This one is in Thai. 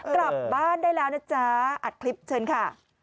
กลับบ้านได้แล้วนะจ๊ะอัดคลิปเชิญค่ะ